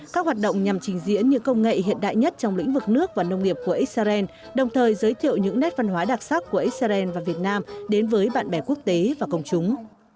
các hoạt động nhằm trình diễn những công nghệ hiện đại nhất trong lĩnh vực nước và nông nghiệp của israel đồng thời giới thiệu những nét văn hóa đặc sắc của israel và việt nam đến với bạn bè quốc tế và công chúng